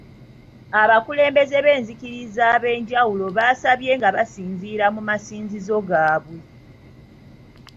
Abakulembeze b’enzikiriza ab’enjawulo baasabye nga basinziira mu masinzizo gaabwe.